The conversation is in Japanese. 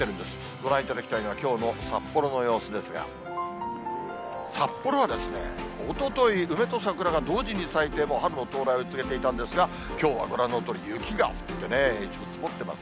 ご覧いただきたいのは、きょうの札幌の様子ですが、札幌はですね、おととい、梅と桜が同時に咲いて、もう春の到来を告げていたんですが、きょうはご覧のとおり、雪が降ってね、一部積もっています。